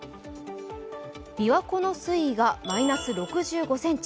琵琶湖の水位がマイナス６５ｃｍ。